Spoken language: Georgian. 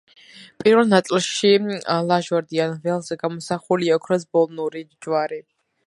პირველ ნაწილში ლაჟვარდოვან ველზე გამოსახულია ოქროს ბოლნური ჯვარი.